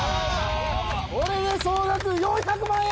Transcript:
これで総額４００万や！